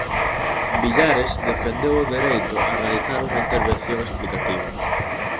Villares defendeu o dereito a realizar unha intervención explicativa.